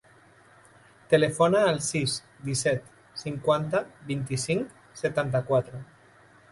Telefona al sis, disset, cinquanta, vint-i-cinc, setanta-quatre.